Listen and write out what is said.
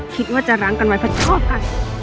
คิดว่าจะรังกันไว้เพื่อชอบกัน